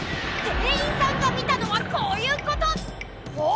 店員さんが見たのはこういうこと！